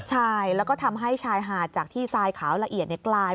ใช่แล้วก็ทำให้ชายหาดจากที่ทรายขาวละเอียดกลาย